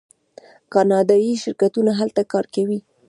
کاناډایی شرکتونه هلته کار کوي.